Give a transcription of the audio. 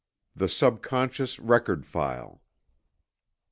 THE SUBCONSCIOUS RECORD FILE.